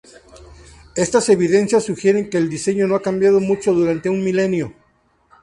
Estas evidencias sugieren que el diseño no ha cambiado mucho durante un milenio.